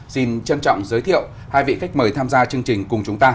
xin trân trọng giới thiệu hai vị khách mời tham gia chương trình cùng chúng ta